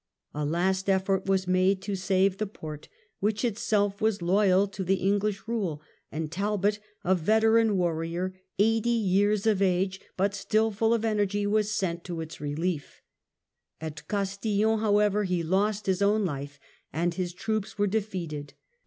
A last effort was made to save the port, "^^•"^""'^ which itself was loyal to the English rule, and Talbot, a veteran warrior eighty years of age, but still full of energy, was sent to its relief. At Castillon, however, he lost his own life and his troops were defeated.